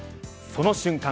その瞬間